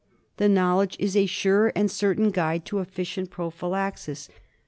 The knowledge is a sure and certain guide to efficient prophylaxis.